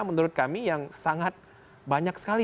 menurut kami yang sangat banyak sekali